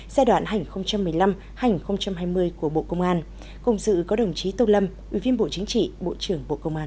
giai đoạn hành một mươi năm hai mươi của bộ công an cùng sự có đồng chí tô lâm ủy viên bộ chính trị bộ trưởng bộ công an